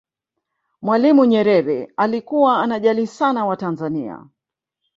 mwalimu nyerere alikuwa anajali sana watanzania